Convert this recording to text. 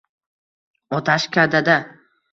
otashkadada